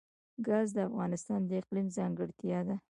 ګاز د افغانستان د اقلیم ځانګړتیا ده.